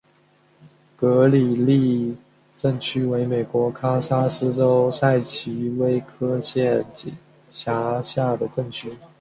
格里利镇区为美国堪萨斯州塞奇威克县辖下的镇区。